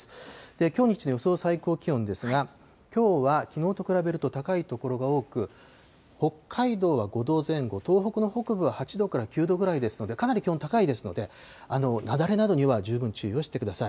きょう日中の予想最高気温ですが、きょうはきのうと比べると高い所が多く、北海道は５度前後、東北の北部は８度から９度ぐらいですので、かなり気温高いですので、雪崩などには十分注意をしてください。